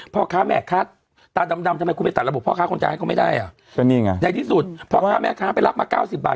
พ่อค้าแม่ค้าตาดำดำทำไมคุณไปตัดระบบพ่อค้าคนจ่ายให้เขาไม่ได้อ่ะก็นี่ไงในที่สุดพ่อค้าแม่ค้าไปรับมาเก้าสิบบาท